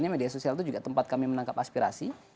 media sosial itu juga tempat kami menangkap aspirasi